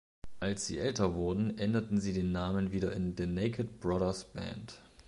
Als sie älter wurden, änderten sie den Namen wieder in "„The Naked Brothers Band“".